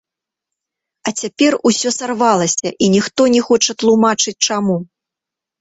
А цяпер усё сарвалася, і ніхто не хоча тлумачыць, чаму.